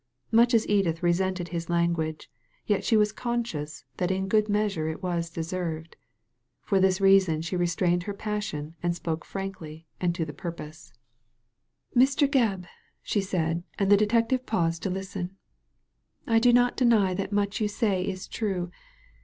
Much as Edith resented his language, yet she was conscious that in a great measure it was deserved. For this reason she restrained her passion and spoke frankly and to the purpose. Digitized by Google 228 THE LADY FROM NOWHERE Mr. Gebb/' she said, and the detective paused to listen, ''I do not deny that much you say is true.